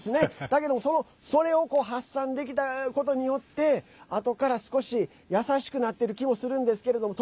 だけどもそれを発散できたことによってあとから少し優しくなってる気もするんですけれども。